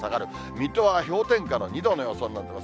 水戸は氷点下の２度の予想になっています。